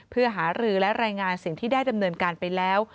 เพื่อหารือและรายงานสิ่งที่ได้ดำเนินการไปแล้ว